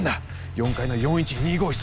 ４階の４１２５室